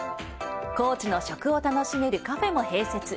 高知の食を楽しめるカフェも併設。